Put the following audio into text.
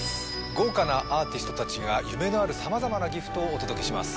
豪華なアーティストたちが夢のあるさまざまなＧＩＦＴをお届けします